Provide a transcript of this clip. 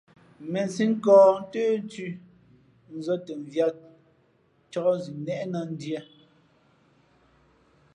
Měnsǐ nkᾱᾱ ntə́nthʉ̄, nzᾱ tα mviāt , ncāk zʉʼnnéʼnā ndiē.